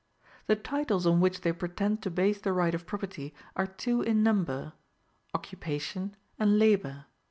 The titles on which they pretend to base the right of property are two in number: OCCUPATION and LABOR.